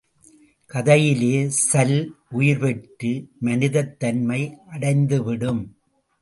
கதையிலே சல் உயிர்ப்பெற்று மனிதத் தன்மை அடைந்துவிடும்.